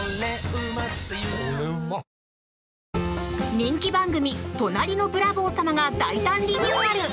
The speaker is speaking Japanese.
人気番組「隣のブラボー様」が大胆リニューアル！